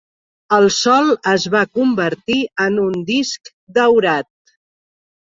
El sol es va convertir en un disc daurat.